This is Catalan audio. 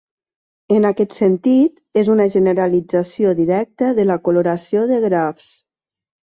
En aquest sentit, és una generalització directa de la coloració de grafs.